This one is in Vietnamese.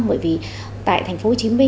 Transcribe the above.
bởi vì tại tp hcm